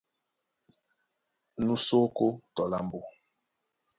Nú sí ókó tɔ lambo.